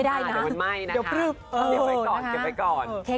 เดี๋ยวมันไหม้นะคะเดี๋ยวไว้ก่อน